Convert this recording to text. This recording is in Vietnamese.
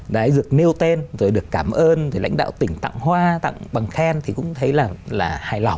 đấy được nêu tên rồi được cảm ơn rồi lãnh đạo tỉnh tặng hoa tặng bằng khen thì cũng thấy là hài lòng